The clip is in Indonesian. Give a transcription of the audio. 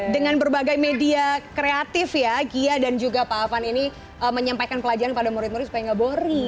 dengan berbagai media kreatif ya gia dan juga pak afan ini menyampaikan pelajaran pada murid murid supaya nggak bory